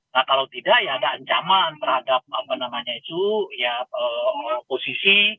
nah kalau tidak ya ada ancaman terhadap posisi